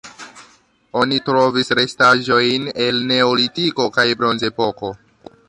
Oni trovis restaĵojn el Neolitiko kaj Bronzepoko.